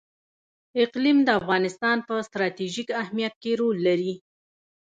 اقلیم د افغانستان په ستراتیژیک اهمیت کې رول لري.